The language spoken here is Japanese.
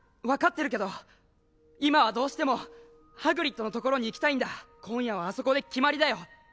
分かってるけど今はどうしてもハグリッドのところに行きたいんだ今夜はあそこで決まりだよ